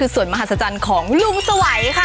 ส่วนมหัศจรรย์ของลุงสวัยค่ะ